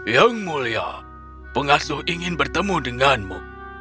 yang mulia pengasuh ingin bertemu denganmu